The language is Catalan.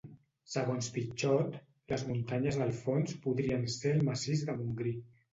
Segons Pitxot, les muntanyes del fons podrien ser el massís del Montgrí.